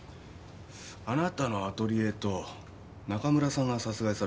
あなたのアトリエと中村さんが殺害された場所